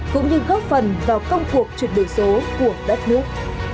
cũng như góp phần vào công cuộc chuyển đổi số của đất nước